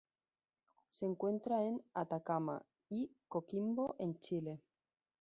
Se encuentra en Atacama y Coquimbo en Chile.